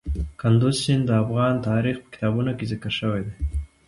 کندز سیند د افغان تاریخ په کتابونو کې ذکر شوی دي.